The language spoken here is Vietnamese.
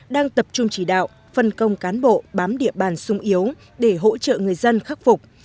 đang tập trung chỉ đạo phân công cán bộ bám địa bàn sung yếu để hỗ trợ người dân khắc phục